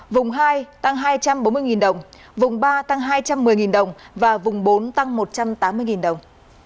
vùng hai tăng hai trăm bốn mươi đồng vùng ba tăng hai trăm một mươi đồng và vùng bốn tăng một trăm tám mươi đồng